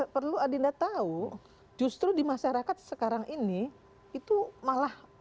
perlu adinda tahu justru di masyarakat sekarang ini itu malah